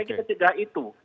tapi kita tidak itu